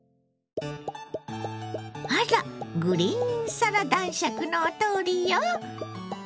あらグリーンサラ男爵のお通りよ。